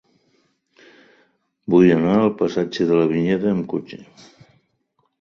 Vull anar al passatge de la Vinyeta amb cotxe.